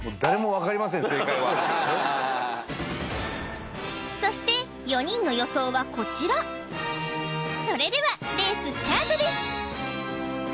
正解はそして４人の予想はこちらそれではレーススタートです